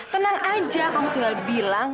tenang aja kamu tinggal bilang